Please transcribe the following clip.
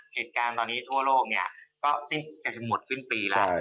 เหตุการณ์ตอนนี้ทั่วโลกเนี่ยก็จะถึงหมดสิ้นปีแล้ว